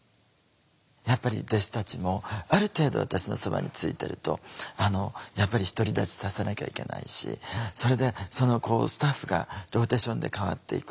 やっぱり弟子たちもある程度私のそばについてるとやっぱり独り立ちさせなきゃいけないしそれでスタッフがローテーションで替わっていく。